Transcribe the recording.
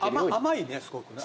甘いねすごくね。